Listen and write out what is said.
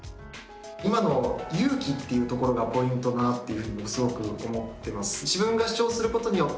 今の勇気っていうところがポイントだなっていうふうにすごく思ってます。